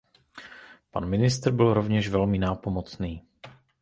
Pan ministr byl rovněž velmi nápomocný.